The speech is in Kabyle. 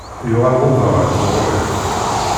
Yuɣal Yuba ɣer tɣuri.